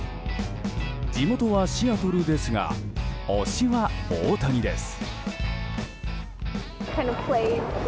地元はシアトルですが推しは大谷です。